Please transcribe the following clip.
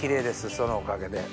そのおかげで。